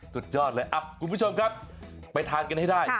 สุดยอดเลยคุณผู้ชมครับไปทานกันให้ได้